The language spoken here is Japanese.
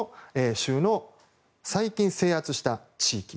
州の最近制圧した地域。